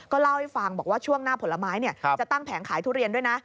เล่าให้ฟังบอกว่าช่วงหน้าผลไม้จะตั้งแผงขายทุเรียนด้วยนะ